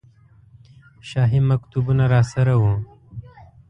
شاهي مکتوبونه راسره وو.